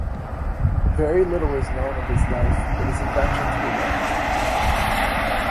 Very little is known of his life but his inventions were well known.